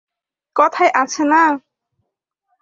কথায় আছে না?